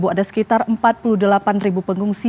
ada sekitar empat puluh delapan pengungsi